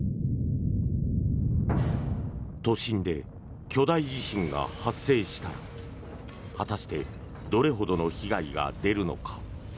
都心で巨大地震が発生したら果たしてどれほどの被害が出るのか。